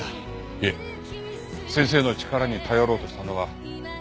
いえ先生の力に頼ろうとしたのは我々です。